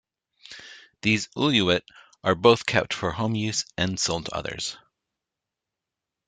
These uluit are both kept for home use and sold to others.